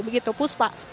begitu pus pak